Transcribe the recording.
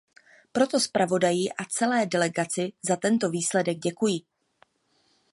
Proto zpravodaji a celé delegaci za tento výsledek děkuji.